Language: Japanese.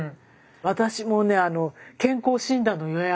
私もね健康診断の予約。